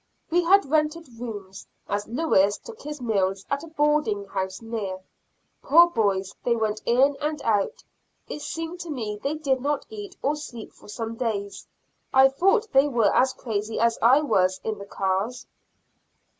We had rented rooms, as Lewis took his meals at a boarding house near. Poor boys, they went in and out; it seemed to me they did not eat or sleep for some days; I thought they were as crazy as I was in the cars.